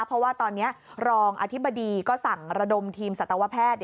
เพราะว่าตอนนี้รองอธิบดีก็สั่งระดมทีมสัตวแพทย์